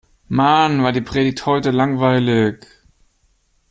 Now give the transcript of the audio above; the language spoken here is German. Mann, war die Predigt heute langweilig!